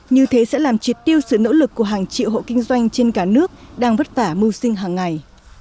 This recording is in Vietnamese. như thế sẽ làm triệt tiêu sự nỗ lực của hàng triệu hộ kinh doanh trên cả nước đang vất vả mưu sinh hàng ngày